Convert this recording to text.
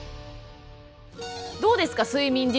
どうですか睡眠事情？